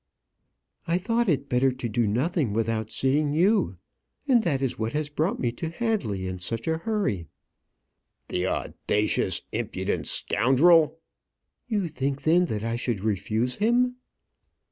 "I thought it better to do nothing without seeing you. And that is what has brought me to Hadley in such a hurry." "The audacious, impudent scoundrel!" "You think, then, that I should refuse him?"